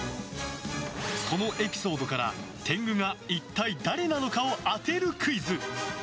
そのエピソードから天狗が一体誰なのかを当てるクイズ。